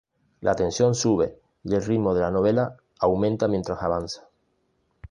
La tensión sube y el ritmo de la novela aumenta mientras avanza.